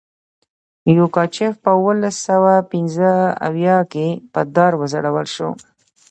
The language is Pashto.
یوګاچف په اوولس سوه پنځه اویا کې په دار وځړول شو.